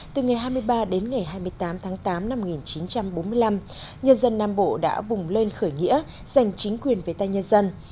từ ngày hai mươi ba đến ngày hai mươi tám tháng tám năm một nghìn chín trăm bốn mươi năm nhân dân nam bộ đã vùng lên khởi nghĩa giành chính quyền về tay nhân dân